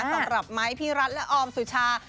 สำหรับไม้พี่รัฐและออมสุชา